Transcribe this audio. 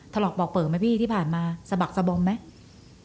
ถลอกปอกเปลือกไหมพี่ที่ผ่านมาสะบักสะบอมไหม